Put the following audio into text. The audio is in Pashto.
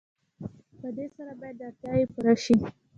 په دې سره باید اړتیاوې پوره شي.